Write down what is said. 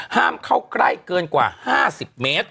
ห้ามเข้าใกล้เกินกว่า๕๐เมตร